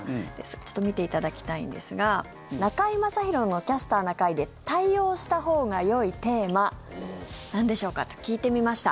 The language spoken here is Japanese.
ちょっと見ていただきたいんですが「中居正広のキャスターな会」で対応したほうがよいテーマなんでしょうか？と聞いてみました。